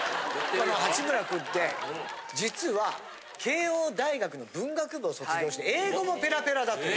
八村くんって実は慶應大学の文学部を卒業して英語もペラペラだという。